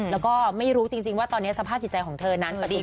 แล้วก็ไม่รู้จริงว่าตอนนี้สภาพจิตใจของเธอนั้นพอดี